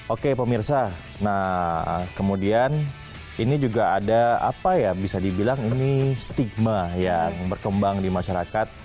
oke pemirsa nah kemudian ini juga ada apa ya bisa dibilang ini stigma yang berkembang di masyarakat